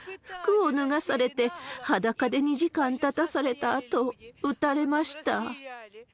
服を脱がされて、裸で２時間立たされたあと撃たれました。